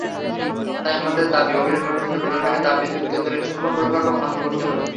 তাই আমাদের দাবি, অবিলম্বে সুন্দরবন এলাকায় তাপবিদ্যুৎকেন্দ্র স্থাপন প্রকল্প বন্ধ করতে হবে।